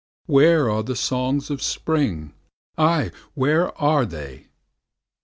Where are the songs of Spring? Ay, where are they?